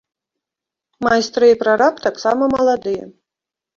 Майстры і прараб таксама маладыя.